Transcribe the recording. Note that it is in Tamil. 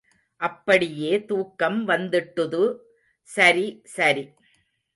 அப்படியே தூக்கம் வந்திட்டுது. சரி சரி.